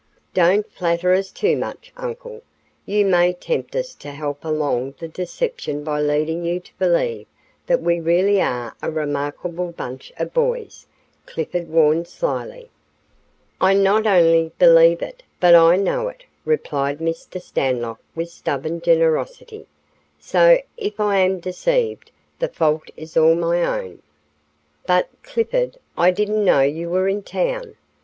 "Don't flatter us too much, uncle, or you may tempt us to help along the deception by leading you to believe that we really are a remarkable bunch of boys," Clifford warned, slyly. "I not only believe it, but I know it," replied Mr. Stanlock with stubborn generosity. "So, if I am deceived, the fault is all my own. But, Clifford, I didn't know you were in town.